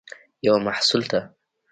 یو محصول ته